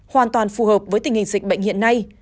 hoàn toàn phù hợp với tình hình dịch bệnh hiện nay